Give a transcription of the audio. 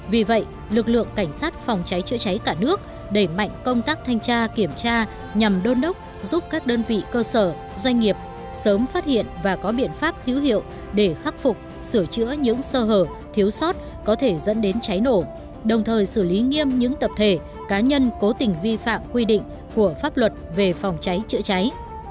vì vậy lực lượng cảnh sát phòng cháy chữa cháy cả nước đẩy mạnh công tác thanh tra kiểm tra nhằm đôn đốc giúp các đơn vị cơ sở doanh nghiệp sớm phát hiện và có biện pháp hữu hiệu để khắc phục sửa chữa những sơ hở thiếu sót có thể dẫn đến cháy nổ đồng thời xử lý nghiêm những tập thể cá nhân cố tình vi phạm quy định của pháp luật về phòng cháy chữa cháy